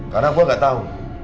karena gue gak tau